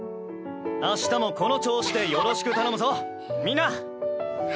明日もこの調子でよろしく頼むぞみんな！